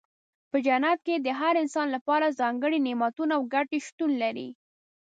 په جنت کې د هر انسان لپاره ځانګړي نعمتونه او ګټې شتون لري.